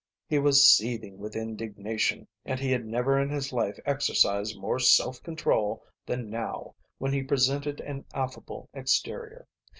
He was seething with indignation, and he had never in his life exercised more self control than now when he presented an affable exterior.